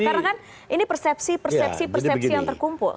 karena kan ini persepsi persepsi persepsi yang terkumpul